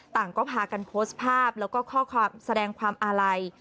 ต่างก็พากันโพสต์ภาพแล้วก็ข้อความแสดงความอาลัย